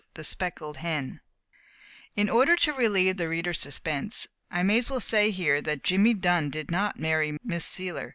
THE SPECKLED HEN IN ORDER to relieve the reader's suspense, I may as well say here that Jimmy Dunn did not marry Miss Seiler.